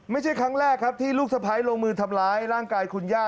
ไม่ใช่ครั้งแรกครับที่ลูกสะพ้ายลงมือทำร้ายร่างกายคุณย่า